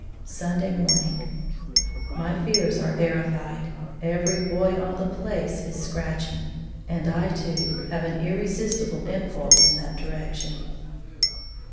Sunday Morning. My fears are verified. Every boy on the place is scratching; and I too have an irresistible impulse in that direction.